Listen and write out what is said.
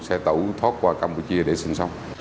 xe tẩu thoát qua campuchia để xin xong